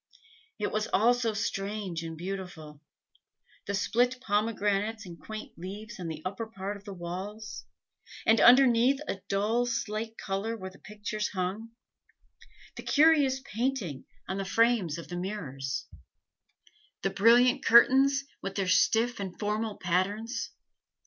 It was all so strange and beautiful the split pomegranates and quaint leaves on the upper part of the walls, and underneath a dull slate color where the pictures hung; the curious painting on the frames of the mirrors; the brilliant curtains, with their stiff and formal patterns.